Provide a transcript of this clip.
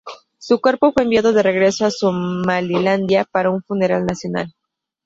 Su cuerpo fue enviado de regreso a Somalilandia para un funeral nacional.